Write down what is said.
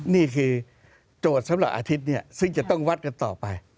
นี่คือโจทย์สำหรับอาทิตย์ซึ่งจะต้องวัดกันต่อไป